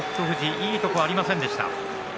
いいところがありませんでした。